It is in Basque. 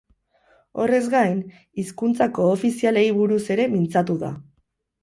Horrez gain, hizkuntza koofizialei buruz ere mintzatu da.